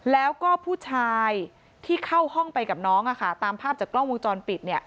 แล้วก็ผู้ชายที่เข้าห้องไปกับน้องตามภาพจากกล้องวงจรปิด